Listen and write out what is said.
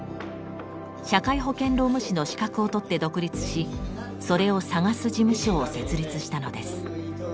社会保険労務士の資格をとって独立しそれを探す事務所を設立したのです。